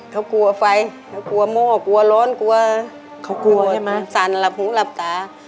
เขากลัวไฟเขากลัวหม้อกลัวร้อนกลัวเขากลัวใช่ไหมสั่นหลับหูหลับตา